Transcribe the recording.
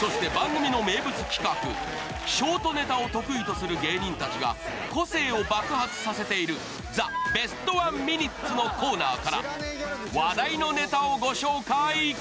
そして番組の名物企画、ショートネタを得意とする芸人たちが個性を爆発させている「ザ・ベストワンミニッツ」のコーナーから、話題のネタをご紹介。